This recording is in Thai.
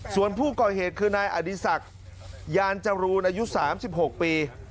ส่วนผู้ก่อเหตุคือนายอดีศักดิ์ยานจรูนอายุ๓๖ปี